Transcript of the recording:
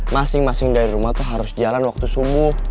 masing masing dari rumah tuh harus jalan waktu subuh